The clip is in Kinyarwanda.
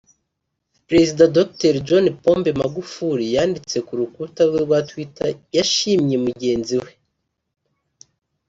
Perezida Dr John Pombe Magufuli yanditse ku rukuta rwe rwa Twitter yashimye mugenzi we